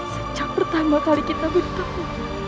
sejak pertama kali kita beritahu